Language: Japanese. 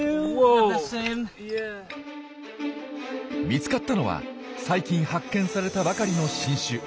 見つかったのは最近発見されたばかりの新種。